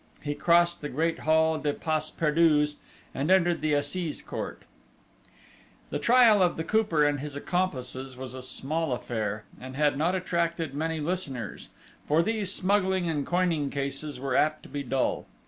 He crossed the great hall des Pas Perdus and entered the Assize Court. The trial of the Cooper and his accomplices was a small affair, and had not attracted many listeners, for these smuggling and coining cases were apt to be dull.